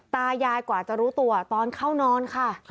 ตายายกว่าจะรู้ตัวตอนเข้านอนค่ะ